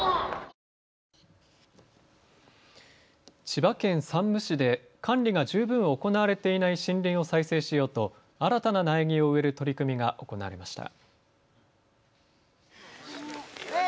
千葉県山武市で管理が十分行われていない森林を再生しようと新たな苗木を植える取り組みが行われました。